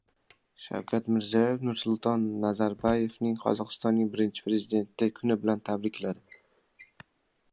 Shavkat Mirziyoyev Nursulton Nazarboyevni Qozog‘istonning birinchi prezidenti kuni bilan tabrikladi